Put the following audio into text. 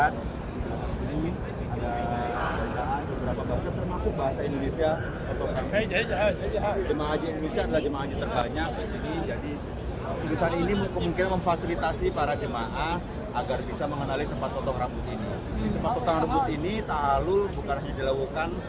tempat potong rambut ini tak lalu bukan hanya jelawukan